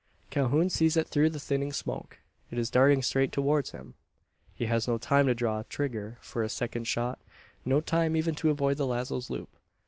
Calhoun sees it through the thinning smoke. It is darting straight towards him! He has no time to draw trigger for a second shot no time even to avoid the lazo's loop.